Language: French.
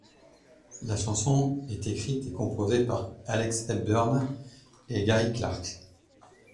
La chanson est écrite et composée par Alex Hepburn et Gary Clark.